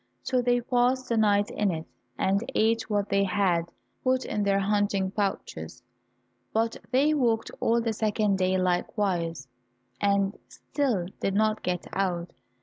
So they passed the night in it, and ate what they had put in their hunting pouches, but they walked all the second day likewise, and still did not get out.